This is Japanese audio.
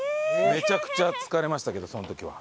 めちゃくちゃ疲れましたけどその時は。